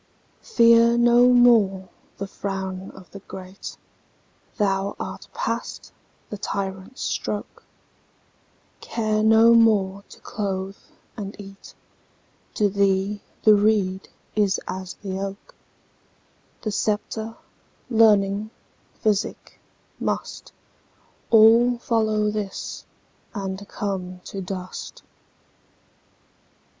Fear no more the frown o' the great, Thou art past the tyrant's stroke; Care no more to clothe and eat; To thee the reed is as the oak:The sceptre, learning, physic, mustAll follow this, and come to dust.